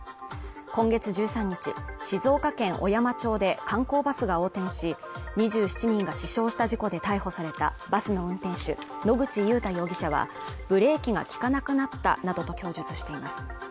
今月１３日静岡県小山町で観光バスが横転し２７人が死傷した事故で逮捕されたバスの運転手野口祐太容疑者はブレーキが利かなくなったなどと供述しています